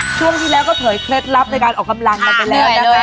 ช่วงที่แล้วก็เผยเคล็ดลับในการออกกำลังกันไปแล้วนะคะ